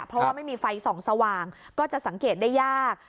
เพราะว่าไม่มีไฟส่องสว่างก็จะสังเกตได้ยาก